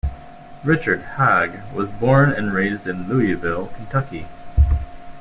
Richard Haag was born and raised in Louisville, Kentucky.